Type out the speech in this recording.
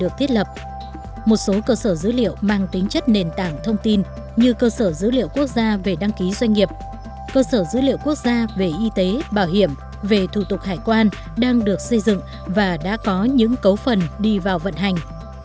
cơ sở dữ liệu quốc gia về y tế bảo hiểm về thủ tục hải quan đang được xây dựng và đã có những cấu phần đi vào vận hành